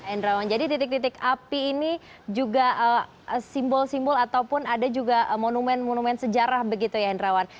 hendrawan jadi titik titik api ini juga simbol simbol ataupun ada juga monumen monumen sejarah begitu ya hendrawan